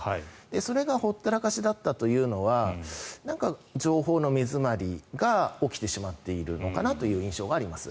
それがほったらかしだったというのは何か情報の目詰まりが起きてしまっているのかなという印象があります。